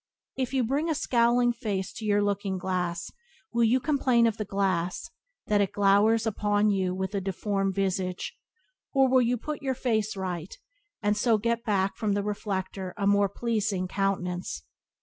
If you bring a scowling face to your looking glass will you complain of the glass that it glowers upon you with a deformed visage, or will you put your face right, and so get back from the reflector a more pleasing countenance?